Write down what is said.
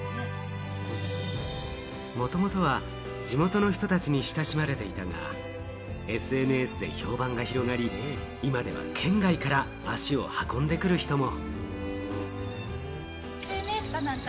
もともとは地元の人たちに親しまれていたが、ＳＮＳで評判が広まり、今では県外から足を運んでくる人も。